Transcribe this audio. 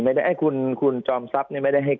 ภารกิจสรรค์ภารกิจสรรค์